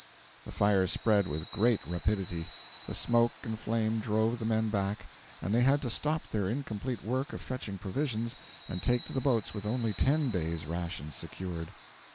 The fire spread with great rapidity. The smoke and flame drove the men back, and they had to stop their incomplete work of fetching provisions, and take to the boats with only ten days' rations secured.